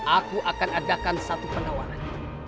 aku akan adakan satu penawaran